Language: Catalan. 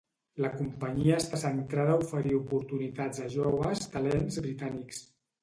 La companyia està centrada a oferir oportunitats a joves talents britànics.